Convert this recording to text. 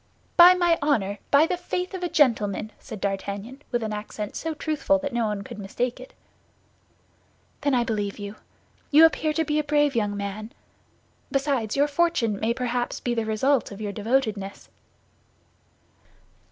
"By my honor, by the faith of a gentleman!" said D'Artagnan, with an accent so truthful that no one could mistake it. "Then I believe you. You appear to be a brave young man; besides, your fortune may perhaps be the result of your devotedness."